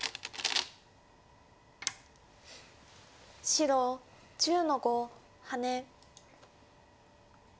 白１０の五ハネ。